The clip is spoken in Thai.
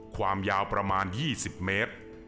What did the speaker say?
ความยาวประมาณ๒๐เมตร